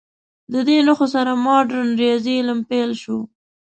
د دې نښو سره مډرن ریاضي علم پیل شو.